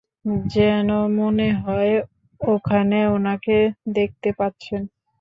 যেন মনে হয় ওখানে উনাকে দেখতে পাচ্ছেন!